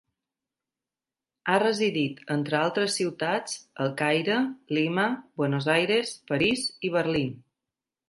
Ha residit, entre altres ciutats, al Caire, Lima, Buenos Aires, París i Berlín.